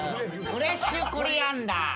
フレッシュコリアンダーの。